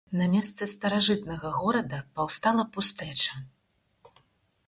На месцы старажытнага горада паўстала пустэча.